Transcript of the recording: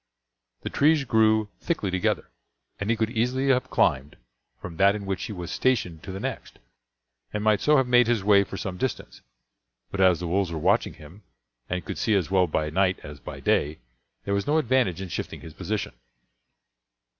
The trees grew thickly together, and he could easily have climbed from that in which he was stationed to the next, and might so have made his way for some distance; but as the wolves were watching him, and could see as well by night as by day, there was no advantage in shifting his position.